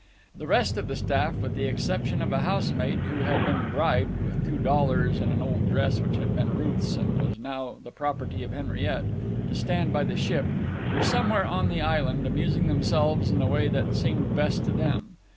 The rest of the staff, with the exception of a house maid, who had been bribed, with two dollars and an old dress which had once been Ruth's and was now the property of Henriette, to stand by the ship, were somewhere on the island, amusing themselves in the way that seemed best to them.